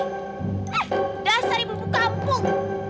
eh dah dari ibu ibu kampung